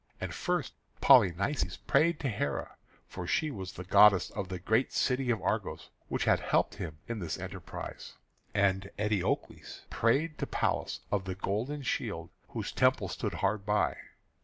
And first Polynices prayed to Heré, for she was the goddess of the great city of Argos, which had helped him in this enterprise, and Eteocles prayed to Pallas of the Golden Shield, whose temple stood hard by.